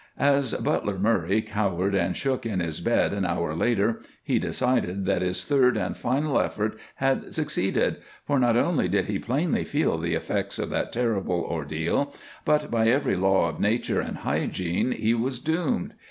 As Butler Murray cowered and shook in his bed an hour later he decided that his third and final effort had succeeded, for not only did he plainly feel the effects of that terrible ordeal, but by every law of nature and hygiene he was doomed.